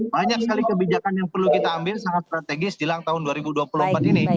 banyak sekali kebijakan yang perlu kita ambil sangat strategis jelang tahun dua ribu dua puluh empat ini